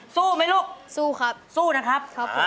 สู้ไหมลูกสู้ครับสู้นะครับครับผม